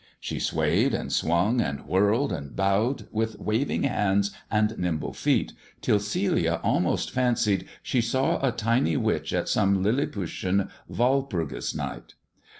She swayed, and swung, and whirled, and bowed, with waving hands and nimble feet, till Celia almost fancied she saw a tiny witch at some 150 THE dwarf's CHAMBEB Lilliputian Walpurgis Night.